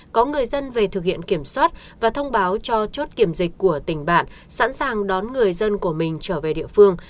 có người dân về thực hiện kiểm soát và thông báo cho chốt kiểm dịch của tỉnh bạn sẵn sàng đón người dân của mình trở về địa phương